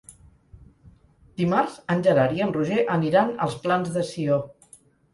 Dimarts en Gerard i en Roger aniran als Plans de Sió.